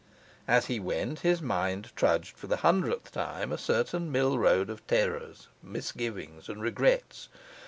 As he went, his mind trudged for the hundredth time a certain mill road of terrors, misgivings, and regrets.